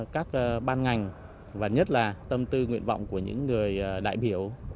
các ban ngành và nhất là tâm tư nguyện vọng của những người đại biểu